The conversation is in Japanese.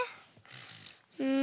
うん。